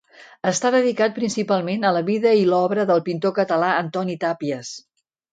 Està dedicat principalment a la vida i l'obra del pintor català Antoni Tàpies.